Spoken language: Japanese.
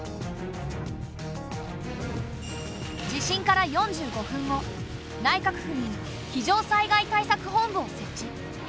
地震から４５分後内閣府に非常災害対策本部を設置。